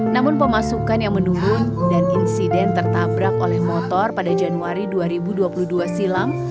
namun pemasukan yang menurun dan insiden tertabrak oleh motor pada januari dua ribu dua puluh dua silam